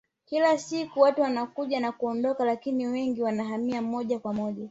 Kila siku watu wanakuja na kuondoka lakini wengine wanahamia moja kwa moja